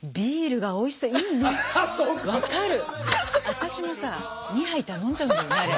私もさ２杯頼んじゃうんだよねあれ。